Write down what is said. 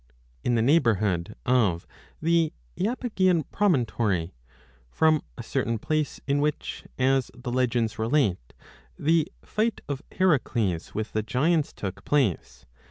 In the neighbourhood of the lapygian promontory, from 97 a certain place in which, as the legends relate, the fight of 30 Heracles with the giants took place, they say that ichor 1 Steph.